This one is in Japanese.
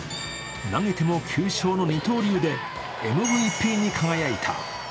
投げても９勝の二刀流でＭＶＰに輝いた。